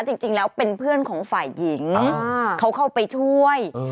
จริงจริงแล้วเป็นเพื่อนของฝ่ายหญิงอ้าวเขาเข้าไปช่วยเออ